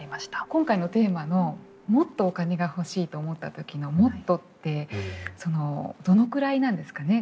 今回のテーマのもっとお金が欲しいと思った時のもっとってそのどのくらいなんですかね。